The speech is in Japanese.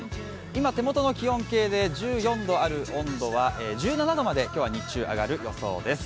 今、手元の気温計で１４度ある温度は１７度まで今日は日中上がる予想です。